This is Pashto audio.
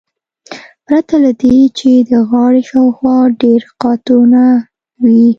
پرته له دې چې د غاړې شاوخوا ډیر قاتونه وي